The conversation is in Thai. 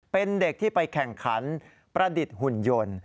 เป็นเด็กที่ไปแข่งขันประดิษฐ์หุ่นยนต์